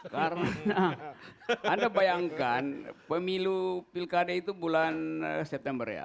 karena anda bayangkan pemilu pilkada itu bulan september ya